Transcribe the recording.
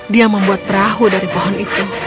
dia membuat perahu dari pohon itu